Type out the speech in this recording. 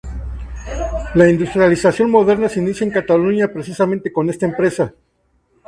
La industrialización moderna se inicia en Cataluña precisamente con esta empresa.